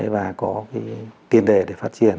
và có tiền đề để phát triển